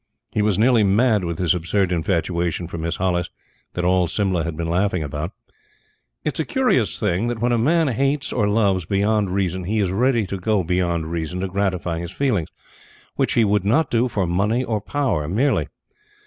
He was nearly mad with his absurd infatuation for Miss Hollis that all Simla had been laughing about. It is a curious thing that, when a man hates or loves beyond reason, he is ready to go beyond reason to gratify his feelings. Which he would not do for money or power merely.